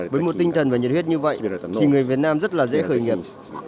với một tinh thần và nhiệt huyết như vậy thì người việt nam rất là dễ khởi nghiệp